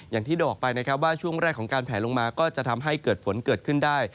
อย่างที่บอกไปนะครับว่าช่วงแรกของการแผลลงมาก็จะทำให้เกิดฝนเกิดขึ้นได้